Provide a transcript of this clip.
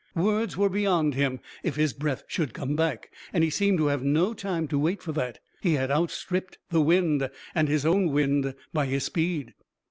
Words were beyond him, if his breath should come back, and he seemed to have no time to wait for that. He had outstripped the wind, and his own wind, by his speed.